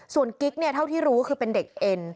ส่วนกิ๊กเนี่ยเท่าที่รู้คือเป็นเด็กเอ็น